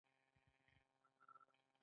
د پرسونل ترمنځ د انګیزې رامنځته کول مهم دي.